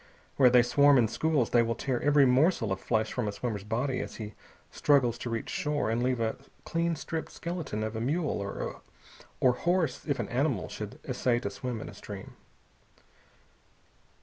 Where they swarm in schools they will tear every morsel of flesh from a swimmer's body as he struggles to reach shore, and leave a clean stripped skeleton of a mule or horse if an animal should essay to swim a stream.